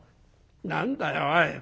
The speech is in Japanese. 何だよおい！